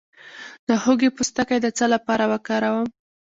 د هوږې پوستکی د څه لپاره وکاروم؟